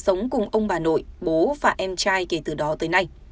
sống cùng ông bà nội bố và em trai kể từ đó tới nay